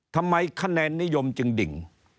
ทำไมคะแนนนิยมจึงดิ่ง